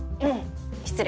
失礼